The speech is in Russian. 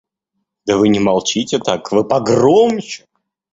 Да вы не молчите так, вы погромче!